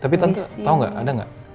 tapi tante tau gak ada gak